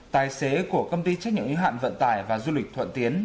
tài xế của công ty trách nhiệm hạn vận tài và du lịch thuận tiến